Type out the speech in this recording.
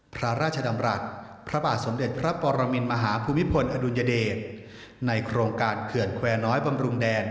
พระราชดำรัฐพระบาทสมเด็จพระปรมินมหาภูมิพลอดุลยเดชในโครงการเขื่อนแควร์น้อยบำรุงแดน